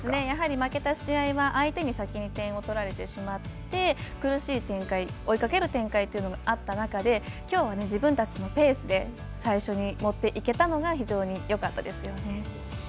やはり負けた試合は相手に先に点を取られてしまって苦しい展開、追いかける展開というのがあった中できょうは自分たちのペースで最初に持っていけたのが非常によかったですよね。